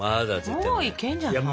もういけんじゃない？